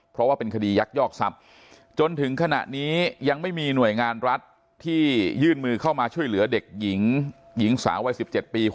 เพราะว่าเป็นคดียักยอกทรัพย์จนถึงขณะนี้ยังไม่มีหน่วยงานรัฐที่ยื่นมือเข้ามาช่วยเหลือเด็กหญิงหญิงสาววัย๑๗ปี